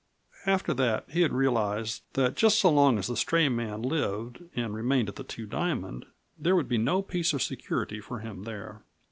After that he had realized that just so long as the stray man lived and remained at the Two Diamond there would be no peace or security for him there.